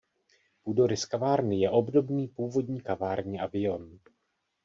Půdorys kavárny je obdobný původní kavárně Avion.